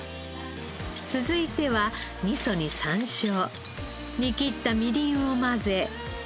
続いては味噌に山椒煮切ったみりんを混ぜ。